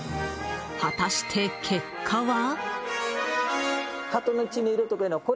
果たして結果は？